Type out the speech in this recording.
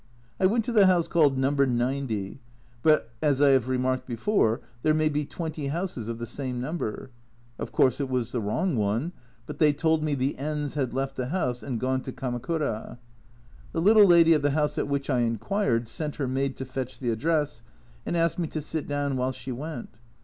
I went to the house called No. 90, but, as I have remarked before, there may be twenty houses of the same number. Of course it was the wrong one, but they told me the N s had left the house, and gone to Kamakura. The little lady of the house at which I inquired sent her maid to fetch the address, and asked me to sit down while she went.